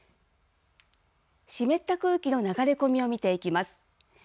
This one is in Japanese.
湿った空気の流れ込みを見ていきます。